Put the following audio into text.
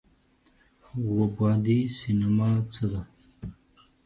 اووه بعدی سینما څه ده؟